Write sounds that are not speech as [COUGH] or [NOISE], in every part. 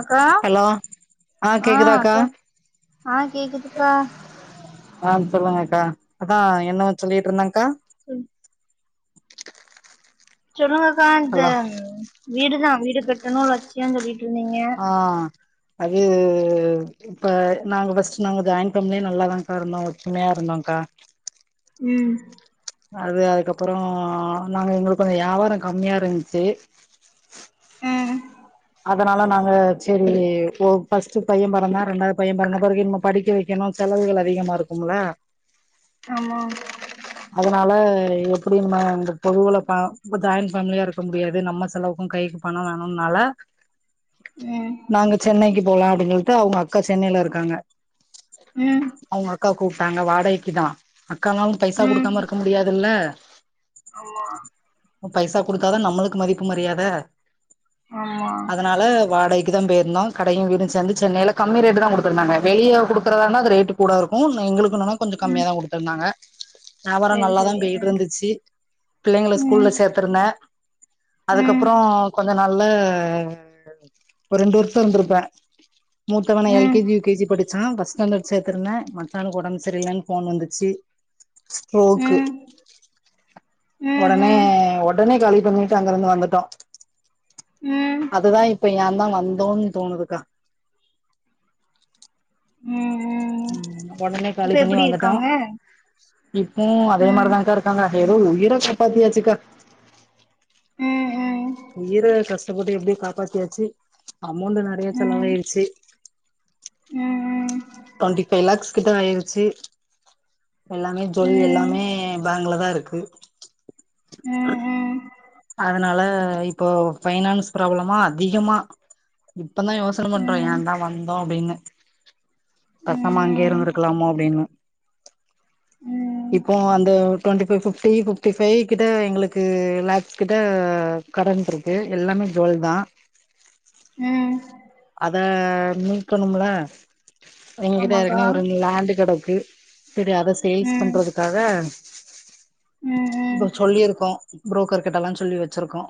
அக்கா ஹலோ ஆ அ கேக்குதாக்கா அக்கா அ கேக்குதுக்கா அ சொல்லுங்கக்கா அக்கா என்னவோ சொல்லிட்டு இருந்தக்கா சொல் சொல்லுங்கக்கா இந்த ஹலோ வீடுதா வீடு கட்டனு லட்சியோ சொல்லிட்டு இருந்தீங்க அ அது இப்ப நாங்க ஃபர்ஸ்ட் நாங்க ஜாயின் ஃபேமிலியா நல்லா தா கா இருந்தோ ஒத்துமையா இருந்தோக்கா ம் அது அதுக்கப்றோ நாங்க எங்களுக்கு கொஞ்சோ வியாபாரோ கம்மியா இருந்ச்சி அ அதனால நாங்க செரி ஓ ஃபர்ஸ்ட்டு பைய பெறந்தா ரெண்டாவது பைய பொறந்த பெறகு இனிம படிக்க வைக் எனா செலவுகள் அதிகமா இருக்குமுள்ள ஆமா அதனால எப்டி நம்ம இந்த பொதுவுல ப ஜாயிண்ட் ஃபேமிலியா இருக்க முடியாது நம்ம செலவுக்கு கை பணோ வேணுனால ம் நாங்க சென்னைக்கு போலா அப்டின்னு சொல்ட்டு அவுங்க அக்கா சென்னையில இருக்காங்க ம் அவுங்க அக்கா கூப்ட்டாங்க வாடகைக்கு தா அக்கானாலு பைசா குடுக்காம இருக்க முடியாதுல்ல ஆம்மா பைசா குடுத்தாதா நம்ளுக்கு மதிப்பு மரியாத ஆம்மா அதனால வாடகைக்கு தா போயிருந்தோ கடயு வீடு சேந்து சென்னைல கம்மி ரேட்டு தா குடுத்துருந்தாங்க வெளிய குடுக்குறதானா அது ரேட்டு கூட இருக்கோ எங்ளுக்னனே கொஞ்ச ம் கம்மியா தா குடுத்துருந்தாங்க வியாபாரோ சரி நல்லாதா சரி போயிட்டு இருந்துச்சு பிள்ளைங்கள ம் ஸ்கூல்ல சேத்திருந்தே ம் அதுக்கப்றோ கொஞ்ச நாள்ல ஒரு ரெண்டு வருஷோ இருந்திருப்ப மூத்தவன எல் ம் K G U K G படிச்சா ஃபர்ஸ்ட் ஸ்டாண்டர்ட் சேத்துருந்தே மச்சானுக்கு ஒடம் சரியில்லனு ஃபோன் வந்துச்சி ம் ஸ்ட்ரோக்கு ம் ஒடனே ம் ஒடனே காலி பண்ணி ட்டு அங்கிருந்து வந்துட்டோ ம் அதுதா இப்ப ஏ தா வந்தோன் தோணுதுக்கா ம் ம் ஒடனே இப்ப காலி பண்ணி எப்டி வந்துட்டோ இருக்காங்க இப்பவு அதே ம் மாதிரி தாக்கா இரு க்காங்க ஏதோ உயிர காப்பாத்தி ஆச்சிக்கா ம் ம் உயிர கஷ்டப்பட்டு எப்டியோ காப்பாத்தியாச்சு அமௌண்ட்டு நறைய ம் செலவாயிருச்சு ம் ம் இப்ப ஃபை லாக்ஸ் கிட்ட ஆயிருச்சி எல்லாமே ஜொல் எல்லாமே பேங்ல தா இருக்கு ம் ம் அதனால இப்போ பைனான்ஸ் ப்ராப்ளமா அதிகமா இப்பதா யோசன பண்றோ ம் ஏந்தா வந்தோ அப்டின்னு பேசாம அங்கயே ம் இருந்திருக்கலாமோ அப்டின்னு ம் இப்போவ் வந்து twenty five fifty D five கிட்ட எங்ளுக்கு லேக்ஸ் கிட்ட கடன் இருக்கு எல்லாமே ஜுவல் தா ம் அத மீட்கணும்ல எங்கிட்ட ஆமாக்கா ஏற்கனே ஒரு லேண்டுகெடக்கு செரி அத சேல்ஸ் ம் பண்றதுக்காக ம் இப்போ ம் சொல்லிருக்கோ புரோக்கர் கிட்டல்லா சொல்லி வெச்சிருக்கோ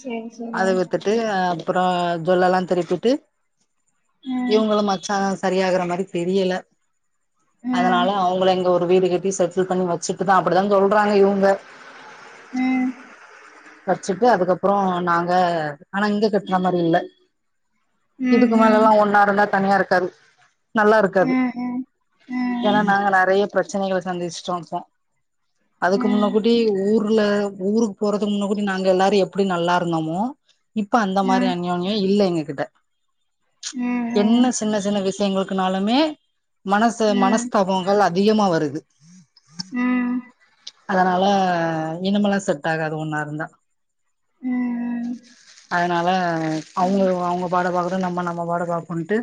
சேரி சேரி அது வித்துட் டு அப்றோ ஜுவல்லல்லா திரிப்பிட்டு ம் இவங்ளு மச்சா சரியாகற மாரி தெரியல ம் அதனால அவங்கள இங்க ஒரு வீடு கட்டி செட்டில் பண்ணி வச்சுட் டுத்தா அப்டித்தா சொல்றாங்க இவுங்க ம் வச்சிட்டு அதுக்கப்றோ நாங்க ஆனா இங்க கட்ற மாரி இல்ல ம் இதுக்கு மேலல்லா ம் ஒன்னா இருந்தா தனியா இருக்காது நல்லா இருக்காது ம் ம் ம் ஏனா நாங்க நெறைய பிரச்சனைகள் சந்திச்சிட்ருக்கோ அதுக்கு முன்ன ம் கூடி ஊர்ல ஊருக்கு போறதுக்கு முன்ன கூடி நாங்க எல்லாரு எப்டி நல்லா இருந்தோமோ இப்ப அந்த மாரி ம் அன்யோன்யோ இல்ல எங்ககிட்ட ம் ம் ம் ம் என்ன சின்ன சின்ன விஷ்யங்களுக்குனாலுமே மனசு மனஸ்தாப ங்கள் அதிகமா வருது அதனால இனமெல்லா செட் ஆகாது ஒன்னா இருந்தா ம் ம் அதனால அவங்க அவங்க பாட பாக்கட்டு நம்ம நம்ம பாட பாகனுன்ட்டு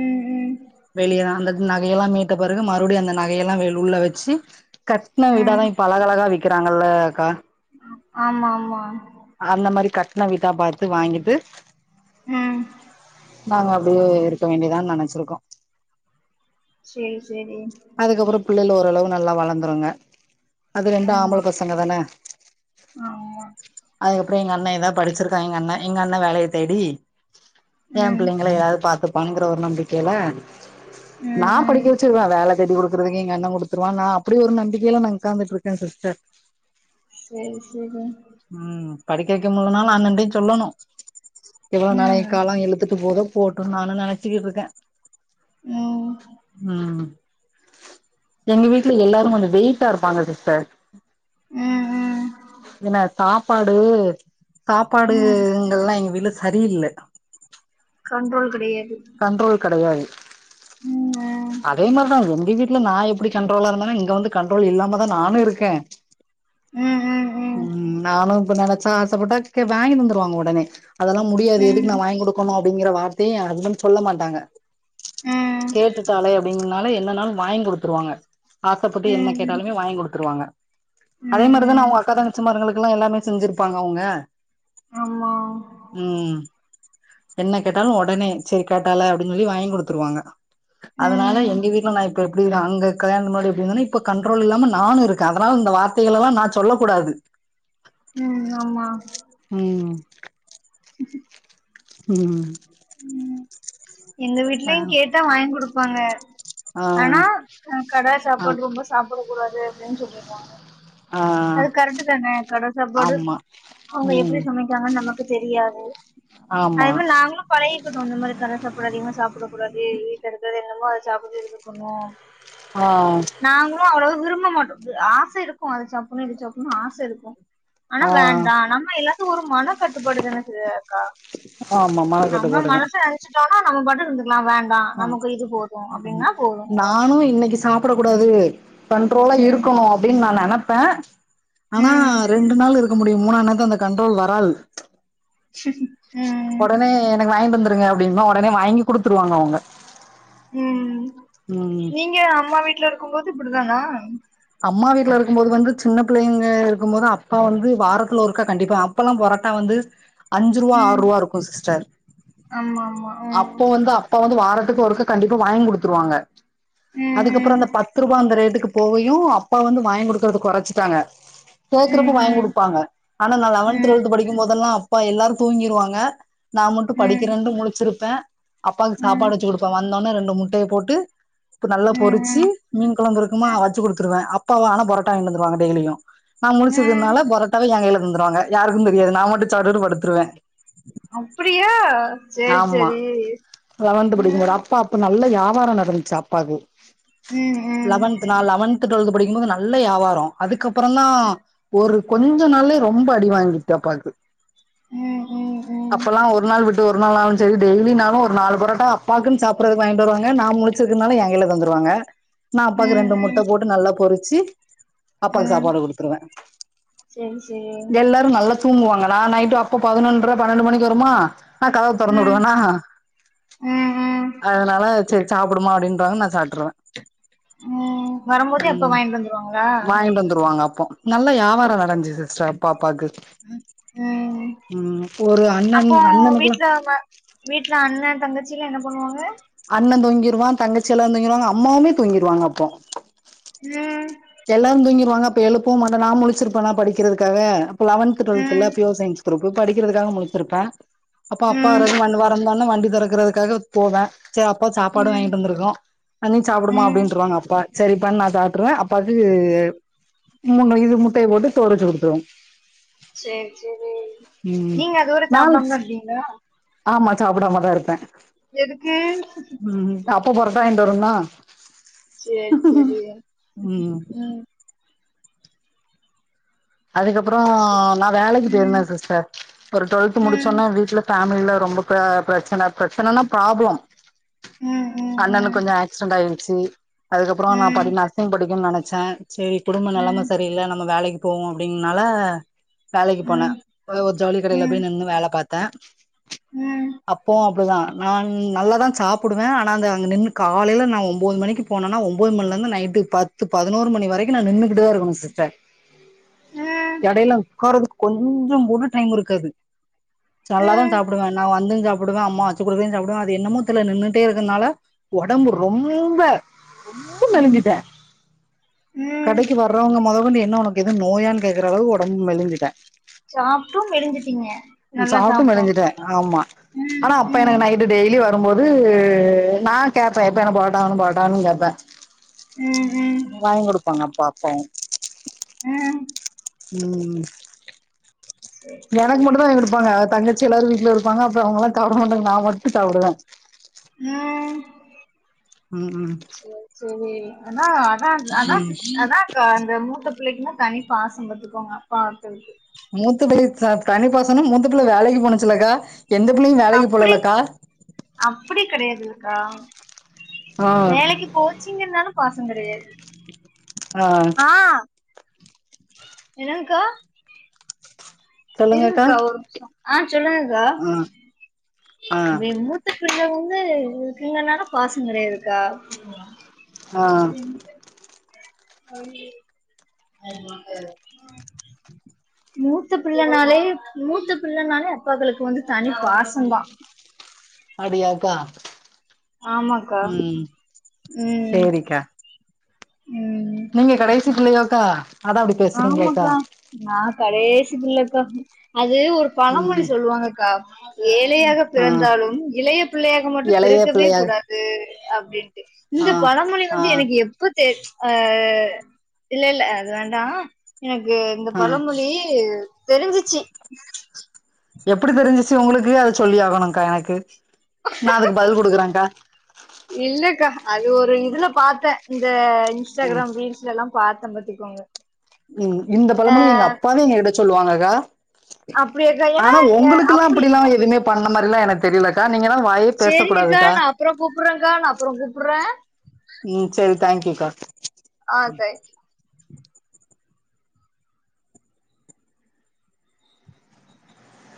ம் வெளியேதா அந்த நகையெல்லா மீட்ட பிறகு மறுபடியு அந்த நகையெல்லா உள்ள வச்சு கட்ன வீட தா ம் இப்ப அழகழகா விக் கிறாங்களக்கா ஆமா ஆமா அந்த மாரி கட்ன வீடா பாத்து வாங்கிட்டு ம் நாங்க அப்டியே இருக்க வேண்டியதான் நெனச்சிருக்கோ சேரி சேரி அதுக்கப்றோ பிள்ளைல ஓரளவு நல்லா வளர்ந்துருங்க அது ரெண்டும் ஆமா ஆம்பள பசங்க தான ஆமா அதுக்கப்றோ எங்க அண்ணே எதா படிச்சிருக்கா எங்க அண்ணே எங்க அண்ணே வேலைய தேடி ஏ ம் பிள்ளைங்கள யாராது பாத்துப்பாங்குற ஒரு நம்பிக்கையில ம் நா ம் படிக்க வச்சிருவே வேல தேடி குடுக்குறக்கு எங்கண்ணே குடுத்துருவா நா அப்டி ஒரு நம்பிக்கையில நா உக்காந்துட்ருக்கே சிஸ்டர் சேரி சேரி ம் படிக்க வைக்க முல்லனாலு அண்ணன்டையு சொல்லணு எவ்ளோ நெறைய ம் காலம் இழுத்துட்டு போதோ போட்டுர்லான்னு நெனச்சிட்ருக்கே ம் ம் எங்க வீட்ல எல்லாரு கொஞ்ச வெயிட்டா இருப்பாங்க சிஸ்டர் ம் ம் ஏன்னா சாப்பாடு ம் சாப்பாடுங்கல்லா எங்க வீட்ல சரியில்ல கண்ட்ரோல் கெடையாது கண்ட்ரோல் கெடையாது ம் அதே மாரிதா எங்க வீட்ல நா எப்டி கண்ட்ரோலா இருந்தோனோ இங்க வந்து கண்ட்ரோல் இல்லாம தா நானு இருக்கே ம் ம் ம் நானும் இப்ப நெனச்சா ஆசப்பட்டா வாங்கிட்டு வந்துருவாங்க ஒடனே அதெல்லா முடியாது எதுக்கு ம் நா வாங்கி குடு ருக்கணும் அப்டிங்கிற வார்த்தையே ஏ ஹஸ்பண்ட் சொல்ல மாட்டாங்க ம் கேட்டுட்டாலே வேணுன்னாலும் என்னாலும் வாங்கி குடுத்துருவாங்க ஆசப்பட்டு என்ன ம் ம் கேட்டாலுமே வாங்கி குடுத்துருவாங்க அதே மாரிதான ம் அவங்க அக்கா தங்கச்சி மார்ங்களுக்கெல்லா எல்லாமே செஞ்சிருப்பாங்க அவங்க ஆமா ம் என்ன கேட்டாலும் ஒடனே சரி கேட்டாளே அப்டின்னு சொல்லி வாங்கி குடுத்துருவாங்க அதனால ம் எங்க வீட்ல நா இப்ப எப்டி அங்க கல்யாண முன்னாடி எப்டி இருந்தானோ இப்ப கன்றோல் இல்லாம நானும் இருக்கே அதனால இந்த வார்த்தைகளல்லா நா சொல்ல கூடாது ம் ஆமா ம் ச ம் ம் எங்க ஆ வீட்லயும் கேட்டா வாங்கி குடுப்பாங்க ஆ ஆனா கட ஆ சாப்பாடு ரொம்ப சாப்பிட கூடாது அப்டின்னு சொல்லிருவாங்க ஆ அது கரெக்ட் தான கட சாப்பாடு ஆமா அவங்க எப்டி ம் சமைக் க்ராங்கன்னு நமக்கு தெரியாது ஆமா அதே மாரி நாங்களும் பழகிக்கட்டோ அந்த மாரி கட சாப்பாடு அதிகமா சாப்பிடக்கூடாது வீட்டுல இருக்கிறது என்னமோ அத சப்பிட்டு இருக்கணு ஆ நாங்களும் அவ்வளவு விரும்ப மாட்டோ ஆச இருக்கும் அத சாப்புணும் இத சாப்புணுன்னு ஆச இருக்கும் ஆனா ஆ வேண்டா நம்ம எல்லாத்தும் ஒரு மன கட்டுப்பாடு தான ஸ் அக்கா ஆமாமா நம்ம மனசுல நெச்சுட்டோனா நம்ம பாட்டுட்டு இருந்துக்கலா வேண் ஆ அவ்ளோதா நானும் இன்னிக்கு சாப் ப்படக்க கூடாது கண்ட்ரோலா ம் இருக்கணும் அப்டின்னு நா நெனப்பே ஆனா ம் ரெண்டு நாள் இருக்க முடியும் மூனா நாளு அந்த கண்ட்ரோல் வராது ம் ஒடனே எனக்கு வாங்கிட்டு வந்துருங்க அப்படிம்பா ஒடனே வாங்கி குடுத்துருவாங்க அவங்க ம் ம் நீங்க அம்மா வீட்ல இருக்கும்போது இப்டிதானா அம்மா வீட்ல இருக்கும்போது வந்து சின்ன பிள்ளைங்க இருக்கும் போது அப்பா வந்து வாரத்துல ஒருக்கா கண்டிப்பா அப்பெல்லாம் பரோட்டா வந்து அஞ்சு ரூவா ஆர் ம் ரூவா இருக்கும் சிஸ்டர் ஆமா ஆமா அப்போ வந்து அப்ப வந்து வாரத்துக்கு ஒருக்கா கண்டிப்பா வாங்கி குடுத்துருவாங்க ம் அதுக்கப்புறம் அந்த பத்து ரூபா அந்த ரேட்டுக்கு போய் யு அப்பா வந்து வாங்கி குடுக்கறத கொறச்சிட்டாங்க கேக்குறப்ப ம் ம் வாங்கி ம் குடுப்பாங்க ஆனா நா லெவன்த் ம் டுவெல்த் படிக்கும்போதெல்லாம் அப்பா எல்லாரும் தூங்கிருவாங்க நா மட்டு ம் படிக்கிறேன்னு முழிச்சிருப்பே அப்பாவுக்கு ம் ம் சாப்பாடு வச்சு கொடுப்பே வந்தோனே ரெண்டு முட்டய போட்டு இப்ப நல்லா ம் பொறிச்சு ம் மீன் கொழம்பு இருக்குமா வச்சு குடுத்துருவே அப்பாவா ஆனா புரோட்டா வாங்கிண்டு வந்துருவாங்க டெய்லியு நா ம் முழிச்சிருக்கதுனால பொரோட்டாவ ஏங் கையில தந்துருவாங்க யாருக்கும் தெரியாது நா மட்டும் சாப்டுட்டுப் படுத்துருவே அப்பிடியா சேரி ஆமா சேரி லெவன்த் படிக்கும்போது ம் அப்பா அப்ப நல்ல வியாபாரம் நடந்துச்சு அப்பாக்கு ம் ம் லெவன்த் நான் லெவன்த் டுவெல்த் படிக்கும்போது நல்ல வியாபாரம் அதுக்க அப்புறம் தா ஒரு கொஞ்ச நாள்லே ரொம்ப அடி வாங்கிட்டு அப்பாக்கு ம் ம் ம் அப்பல்லா ஒரு நாள் விட்டு என்னானாலும் சேரி டெய்லினாலும் ஒரு நாலு பொரட்டா அப்பாக்குன் சாப்பறதுக்கு வாங்ட்டு வருவாங்க நா முழிச்சிருக்கதுனால ஏ கையில தந்துருவாங்க நா அப்பாக்கு ம் ரெண்டு முட்ட ம் போட்டு நல்லா பொறிச்சு அப்பாக்கு ம் சாப்பாடு குடுத்துருவே சேரி சேரி எல்லாரும் நல்லா தூங்குவாங்க நா நைட்டு அப்பா பதினொன்ற பன்னெண்டு மணிக்கு வருமா நா கதவ தொறந்து ம் விடுவேனா ம் ம் அதனால சரி சாப்புடும்மா அப்டிம்பாங்க நா சாப்ட்ருவே ம் வரும்போதே அப்ப ம் வாங்கிட்டு வந்துருவாங்களா வாங்கிட்டு வந்துருவாங்க அப்போ நல்லா யாவாரம் நடந்துச்சு சிஸ்டர் அப்ப அப்பாக்கு ம் ம் ஒரு அண்ணன் அண்ணனுக்குல்லா லாம வீட்ல அண்ணன் தங்கச்சியெல்லாம் என்ன பண்ணுவாங்க அண்ணன் தூங்கிருவா தங்கச்சி எல்லாரு தூங்கிருவாங்க அம்மாவுமே தூங்கிருவாங்க அப்போ ம் எல்லாரு தூங்கிருவாங்க அப்ப எழுப்பவு மாட்ட நா முழிச்சிருப்பேனா படிக்கிறதுக்காக அப்ப லவன்த் டுவெல்த் இல்ல ம் பியோர் சயின்ஸ் குரூப்பு படிக்கிறதுக்காக முழிச்சிருப்பே அப்போ அப்பா ம் வர்றது வண் வரந்தோன வண்டி தொறக்கறதுக்காக போவே ச அப்பா சாப்பாடு ம் வாங்கிட்டு வந்துருக்கு அத நீ சாப்பிடுமா ம் அப்டின்ட்ருவாங்க அப்பா சரிப்பான் நா சாப்ட்டுருவே அப் பாக்கு மூன் மணிக்குது முட்டைய போட்டு சோறு வச்சு கொடுத்ருவோ சேரி சேரி ம் நீங்க அது வர சாப்பிடாமத்தா இருப்பீங்களா ஆம்மா ச்சாப்பிடாம தா இருப்பே எதுக்கு அப்பா புரோட்டா வாங்கிட்டு வரும்னு சேரி சேரி ம் அதுக்கப்புற நா வேலைக்கு போயிருந்தே ம் சிஸ்டர் ஒரு டுவல்த் ம் முடிச்சோன்ன வீட்ல ஃபேமிலில ரொம்ப பிரச்சன பிரச்சன்னா ப்ராப்ள ம் அண்ணனுக் ம் கொஞ்ச ஆக்சிடென்ட் ஆயிடுச்சு அதுக்கப்புற நா ம் படி படிக்கும்னு நெனைச்சே சேரி குடும்ப நெலைம ம் சரியில்ல நம்ம வேலைக்கு போவோ அப்டின்னால வேலைக்கு போனே ம் ஒரு ஜவுளி ம் கடையில ம் போய் நின்னு வேல பாத்தே ம் அப்போவு அப்டிதா நா நல்லா தா சாப்புடுவே ஆனா அந்த அங்க நின்னு காலையில நா ஒன்பது மணிக்கு போனேனா ஒன்பது மணிலேருந்து நைட்டு பத் த்து பதினொரு மணி வரைக்கு நா நின்னுகிட்டுதா இருக்கணு சிஸ்டர் எடையில உக்காறதுக்கு கொஞ்சோ கூட டைம் இருக்காது ம் செல்லதா ம் சாப்புடுவ நா வந்து சாப் புடுவ அம்மா வச்சு குடுக்கறதயு சாப்புடுவோ அது என்னமோ தெர்ல நின்னுட்டே இருக்கறனால ஒடம்பு ரொம்ப ம் மெலிஞ்சிட்ட ம் கடைக்கு வர்றவங்க மொதக்கொண்டு என்ன உனக்கு எது நோயான் கேக்கற அளவு ஒடம்பு மெலிஞ்சிட்ட சாப்ட்டு மெலிஞ்சிட்டீங்க நல்லா சாப்ட்டு சாப்ட்டோ மெலிஞ்சிட்ட ஆமா ம் அனா அப்ப ம் எனக்கு நா டு டெய்லி வரும்போது நா கேப்பே எப்ப எனக்கு புரோட்டா வேணு புரோட்டாவேணுன் கேப்பே ம் ம் [UNINTELLIGIBLE] குடுப்பாங்க பாப்போ ம் ம் [INAUDIBLE] எனக்கு மட்டு தா எடுப்பாங்க தங்கச்சி எல்லாரு வீட்ல இருப்பங்க அப்பறோ அவங்கல்லா சாப்பட மாட்டாங்க நா மட்டு சாப்புடுவ ம் ம் ம் செரி அனா அனா அனா ம் அனா கா அந்த மூத்த பிள்ளைக்குன்னா தனி பாசோ பத்துக்கோங்க அப்பாக்களுக்கு மூத்தபிள்ளய த தனிப்பாசன மூத்த பிள்ள வேலைக்கு போனுச்சுல்லக்கா எந்த பிள்ளையு வேலைக்கு அப்டி போலயில்லக்கா அப்டி கெடையாதுக்கா ஆ வேலைக்கு போச்சிங்கநாலு பாச கெடையாது ஆ என்னங்க்கா சொல்லுங்கக்கா இருங்ககா ஒரு நிம்ஷா ஆ சொல்லுங்கக்கா ஆ ஆ அப்ப ஏ மூத்த பிள்ள வந்து இருக்குங்கனால பாசோ கெடையாதுக்கா ஆ [INAUDIBLE] மூத்த பிள்ளனாலே மூத்த பிள்ளனாலே அப்பாக்களுக்கு வந்து தனி பாசந்தா அடியாக்கா ஆமாக்கா ம் சேரிக்கா ம் ம் நீங்க கடைசி பிள்ளையாக்கா ஆமாக்கா நா கடைசி பிள்ளக்கா அது ஒரு பழமொழி ம் சொல்லுவாங்கக்கா ஏழயாக ஆ பிறந்தாலு இளைய பிள்ளையாக மட்டு எளைய பிறக்கவே பிள்ளையா கூடாது அப்டின் ஆ இந்த பழமொழி ஆ வந்து எனக்கு எப்ப தெ ஆ இல்லல்ல அது வேண்டா எனக்கு இந்த ஆ பழமொழி தெரிஞ்சிச்சி எப்படி தெரிஞ்சிச்சு உங்களுக்கு அது சொல்லி ஆகணுங்க்கா எனக்கு நா அதுக்கு பதில் குடுக்கறங்க்கா இல்லக்கா அது ஒரு இதுல பாத்த இந்த ம் இன்ஸ்டாகிராம் ரீல்ஸ்ல எல்லா பாத்த பத்துக்கோங்க ம் இந்த பழமொழி எங்க அப்பாவே எங்க கிட்ட சொல்லுவாங்கக்கா அப்டியாக்கா ஏன்னா அனா உங்களுக்குல்லா அப்படிலா அப்டிங்களா எதுவுமே பண்ண மாறிலா எனக்கு தெரிலக்கா நீங்கனா வாயே பேசக்கூடாதுக்கா அப்பறோ கூப்பற்றகா நா அப்பறோ கூப்பற்ற ம் சேரி தேங்க்யூக்கா ஆ தேங்க் [INAUDIBLE]